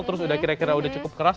terus udah kira kira udah cukup keras